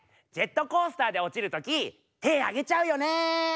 ジェットコースターで落ちる時手上げちゃうよね！